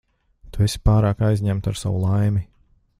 Tu esi pārāk aizņemta ar savu laimi.